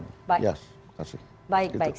itu bagian daripada seni di dalam sebuah perpolitikan